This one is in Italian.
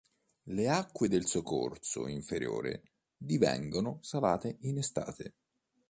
Le acque del suo corso inferiore divengono salate in estate.